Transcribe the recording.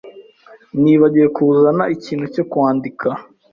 Nibagiwe kuzana ikintu cyo kwandika.